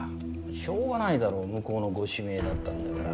しょうがないだろ向こうのご指名だったんだから。